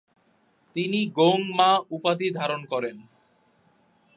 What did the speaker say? তিনি গোং-মা উপাধি ধারণ করেন।